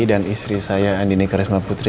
dan istri saya andini karisma putri